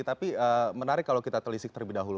tapi menarik kalau kita telisik terlebih dahulu